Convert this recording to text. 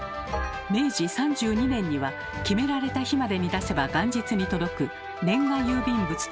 明治３２年には決められた日までに出せば元日に届く年賀郵便物